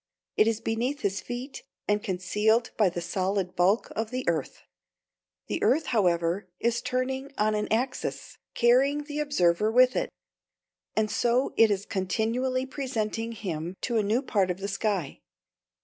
It is beneath his feet, and concealed by the solid bulk of the earth. The earth, however, is turning on an axis, carrying the observer with it. And so it is continually presenting him to a new part of the sky.